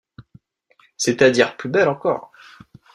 c’est-à-dire plus belle encore.